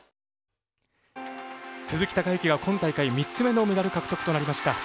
鈴木孝幸は、今大会３つ目のメダル獲得となりました。